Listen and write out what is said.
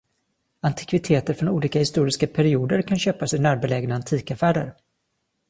Antikviteter från olika historiska perioder kan köpas i närbelägna antikaffärer.